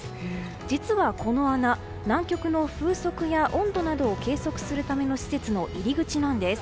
実はこの穴南極の風速や温度などを計測するための施設の入り口なんです。